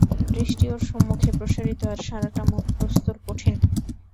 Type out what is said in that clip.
দৃষ্টি ওর সম্মুখে প্রসারিত আর সারাটা মুখ প্রস্তরকঠিন।